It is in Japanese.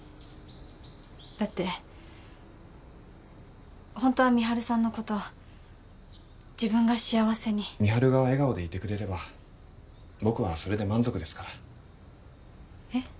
だってホントは美晴さんのこと自分が幸せに美晴が笑顔でいてくれれば僕はそれで満足ですからえっ？